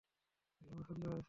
তাকে পছন্দ হয়েছে।